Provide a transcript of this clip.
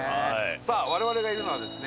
さあ我々がいるのはですね